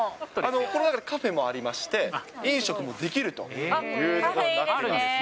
この中にカフェもありまして、飲食もできるという所になってます。